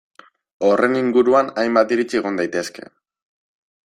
Horren inguruan hainbat iritzi egon daitezke.